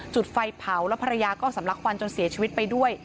จุดไฟเผาแล้วภรรยาก็สำลักควันจนเสียชีวิตไปด้วย